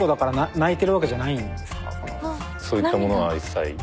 そういったものは一切。